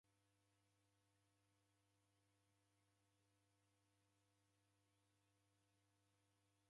W'endalaghulwa saru w'ezerwa w'aloghwa ni mruna ndee.